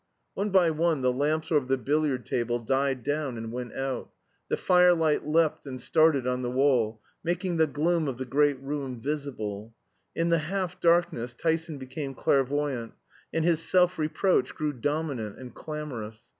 One by one the lamps over the billiard table died down and went out; the firelight leapt and started on the wall, making the gloom of the great room visible; in the half darkness Tyson became clairvoyant, and his self reproach grew dominant and clamorous.